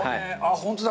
本当だ。